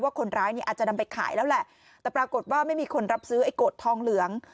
คนร้ายเนี่ยอาจจะนำไปขายแล้วแหละแต่ปรากฏว่าไม่มีคนรับซื้อไอ้โกรธทองเหลือง